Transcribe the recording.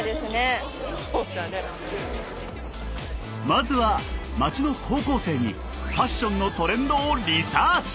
まずは街の高校生にファッションのトレンドをリサーチ！